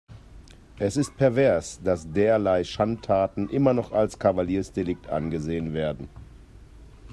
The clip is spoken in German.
Es ist pervers, dass derlei Schandtaten immer noch als Kavaliersdelikt angesehen werden.